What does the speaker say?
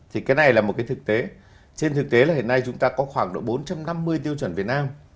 thì cái này là một cái thực tế trên thực tế là hiện nay chúng ta có khoảng độ bốn trăm năm mươi tiêu chuẩn việt nam